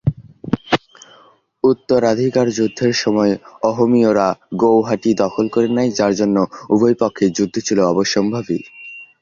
উত্তরাধিকার যুদ্ধের সময় অহমীয়রা গৌহাটি দখল করে নেয়, যার জন্য উভয়পক্ষে যুদ্ধ ছিল অবশ্যম্ভাবী।